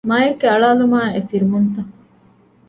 މައެއްގެ އަޅާލުމާއި އެ ފިރުމުންތައް